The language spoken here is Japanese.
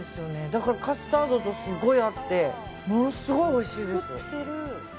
だからカスタードとすごい合ってものすごいおいしいです。